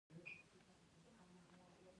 آیا دوی خپل اپلیکیشنونه نلري؟